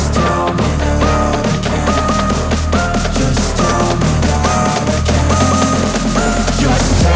tidurkan diri yang artis